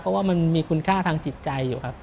เพราะว่ามันมีคุณค่าทางจิตใจอยู่ครับ